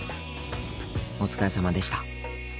お疲れさまでした。